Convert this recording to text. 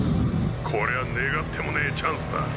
こりゃ願ってもねえチャンスだ。